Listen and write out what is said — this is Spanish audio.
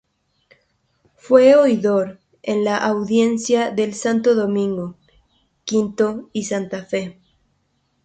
Fue Oidor en las Audiencias de Santo Domingo, Quito y Santa Fe.